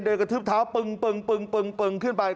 เดินกระทึบเท้าปึ่งขึ้นไป